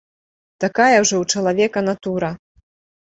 Такая ўжо ў чалавека натура.